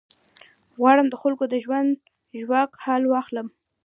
غواړم د خلکو د ژوند ژواک حال واخلم.